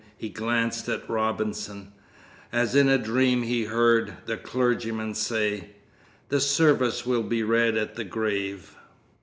He glanced at Robinson. As in a dream he heard, the clergyman say: "The service will be read at the grave."